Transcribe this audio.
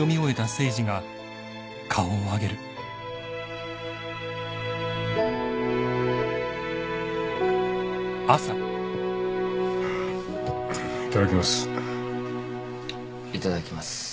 いただきます。